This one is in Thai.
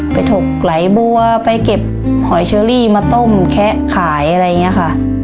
ถกไหลบัวไปเก็บหอยเชอรี่มาต้มแคะขายอะไรอย่างนี้ค่ะ